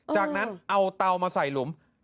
จากนั้นเอาเตามาใส่หลุม